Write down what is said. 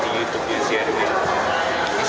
kisah tiga tokoh yang sangat inspiratif